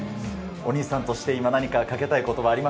お兄さんとして何かかけたい